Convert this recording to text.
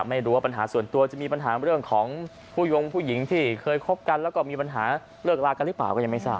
ไม่รู้ว่าปัญหาส่วนตัวจะมีปัญหาเรื่องของผู้ยงผู้หญิงที่เคยคบกันแล้วก็มีปัญหาเลิกลากันหรือเปล่าก็ยังไม่ทราบ